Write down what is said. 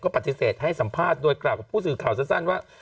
ปฏิเสธให้สัมภาษณ์โดยกล่าวกับผู้สื่อข่าวสั้นว่า